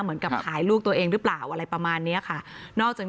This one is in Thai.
เหมือนกับขายลูกตัวเองหรือเปล่าอะไรประมาณนี้ค่ะนอกจาก